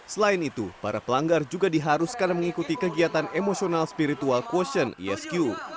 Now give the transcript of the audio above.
selain itu para pelanggar juga diharuskan mengikuti kegiatan emosional spiritual quotient isq